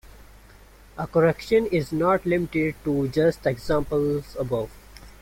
A correction is not limited to just the examples above.